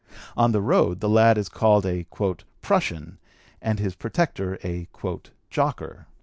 On the road the lad is called a "prushun," and his protector a "jocker."